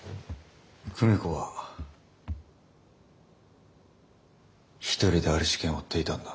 久美子は一人である事件を追っていたんだ。